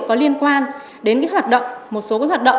có liên quan đến một số hoạt động